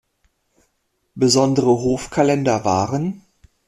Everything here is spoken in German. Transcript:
Besondere Hofkalender waren